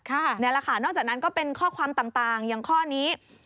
นี่แหละค่ะนอกจากนั้นก็เป็นข้อความต่างอย่างข้อนี้